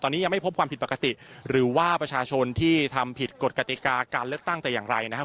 ตอนนี้ยังไม่พบความผิดปกติหรือว่าประชาชนที่ทำผิดกฎกติกาการเลือกตั้งแต่อย่างไรนะครับ